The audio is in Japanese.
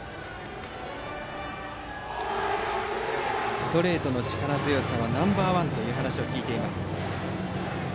ストレートの力強さはナンバー１という話を聞いています。